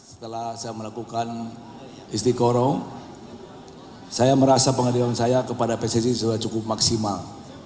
setelah saya melakukan istiqoroh saya merasa pengadilan saya kepada pssi sudah cukup maksimal